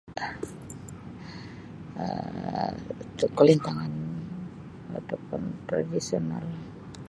Um [unintelligible] Kulintangan ataupun tradisional lah.